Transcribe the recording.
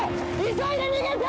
急いで逃げて！